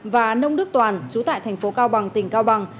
và nông đức toàn chú tại thành phố cao bằng tỉnh cao bằng